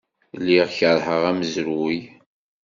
Lliɣ keṛheɣ amezruy.